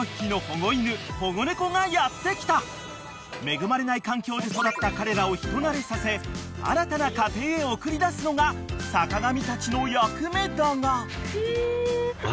［恵まれない環境で育った彼らを人なれさせ新たな家庭へ送り出すのが坂上たちの役目だが］